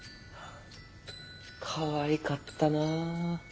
かわいかったなぁ。